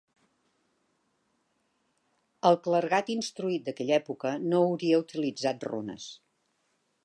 El clergat instruït d'aquella època no hauria utilitzat runes.